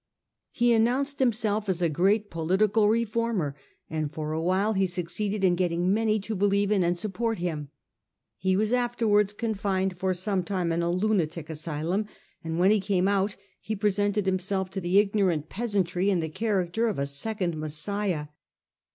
He announced himself as a great political reformer, and for awhile he succeeded in getting many to believe in and support him. He was afterwards confined for some time in a lunatic asylum, and when he came out he presented himself to the ignorant peasantry in the character of a second Messiah.